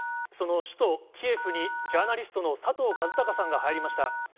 その首都キエフに、ジャーナリストの佐藤和孝さんが入りました。